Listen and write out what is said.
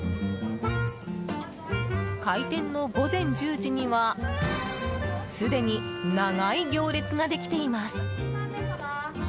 開店の午前１０時にはすでに長い行列ができています。